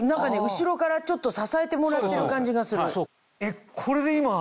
後ろからちょっと支えてもらってる感じがする。